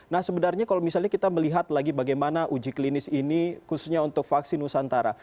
nah sebenarnya kalau misalnya kita melihat lagi bagaimana uji klinis ini khususnya untuk vaksin nusantara